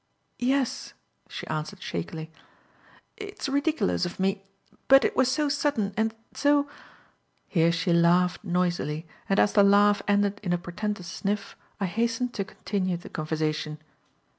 "Yes," she answered shakily, "it's ridiculous of me, but it was so sudden and so " here she laughed noisily, and as the laugh ended in a portentous sniff, I hastened to continue the conversation.